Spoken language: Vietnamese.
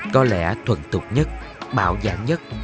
có lẽ thuần tục nhất bạo giảng nhất